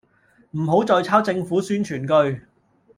唔好再抄政府宣傳句